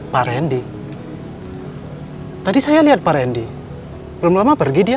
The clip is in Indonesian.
pak randy tadi saya lihat pak randy belum lama pergi dia